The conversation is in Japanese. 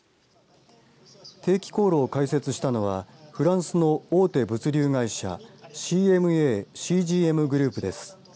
定期航路を開設したのはフランスの大手物流会社ＣＭＡＣＧＭＧＲＯＵＰです。